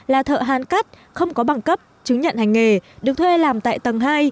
là thợ hàn cắt không có bằng cấp chứng nhận hành nghề được thuê làm tại tầng hai